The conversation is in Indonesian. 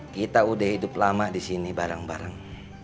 kita udah hidup lama disini bareng bareng